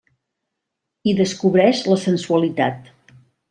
Hi descobreix la sensualitat.